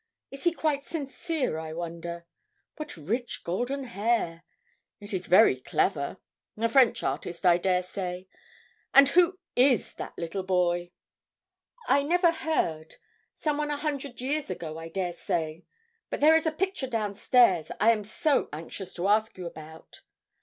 Is he quite sincere, I wonder? What rich golden hair! It is very clever a French artist, I dare say and who is that little boy?' 'I never heard. Some one a hundred years ago, I dare say. But there is a picture down stairs I am so anxious to ask you about!'